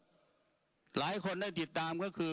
หลายคนได้ติดตามก็คือ